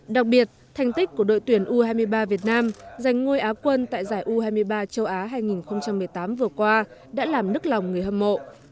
đặc biệt thành tích của đội tuyển u hai mươi ba việt nam giành ngôi á quân tại giải u hai mươi ba châu á hai nghìn một mươi tám vừa qua đã làm nức lòng người hâm mộ